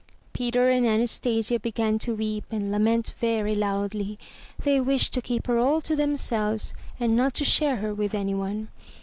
Peter and Anastasia began to weep and lament very loudly. They wished to keep her all to themselves and not to share her with anyone.